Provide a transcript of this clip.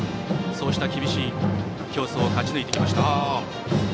そうした厳しい競争を勝ち抜いてきました。